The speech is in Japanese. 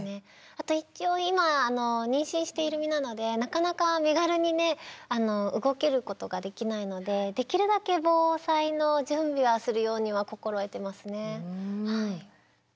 あと一応今妊娠している身なのでなかなか身軽に動けることができないのでできるだけ防災の準備はするようには心得てますね。